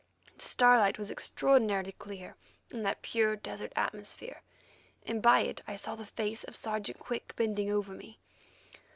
The starlight was extraordinarily clear in that pure desert atmosphere, and by it I saw the face of Sergeant Quick bending over me.